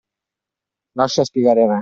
Lascia spiegare me.